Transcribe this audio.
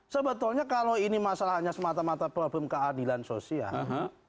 sebetulnya kalau ini masalahnya semata mata problem keadilan sosial